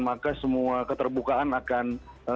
maka semua keterbukaan akan